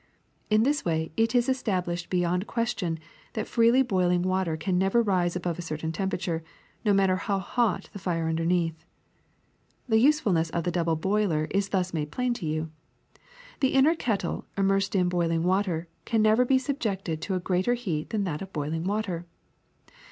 In this way it is established be yond question that freely boiling water can never rise above a certain temperature, no matter how hot the fire underneath. *^The usefulness of the double boiler is thus made plain to you. The inner kettle, immersed in boiling water, can never be subjected to a heat greater than that of boiling water.